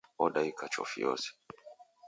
Odaika chofi yose.